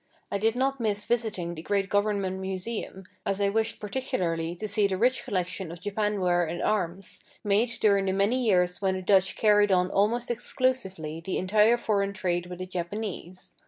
I did not miss visiting the great government museum, as I wished particularly to see the rich collection of Japan ware and arms, made during the many years when the Dutch carried on almost exclusively the entire foreign trade with the Japanese.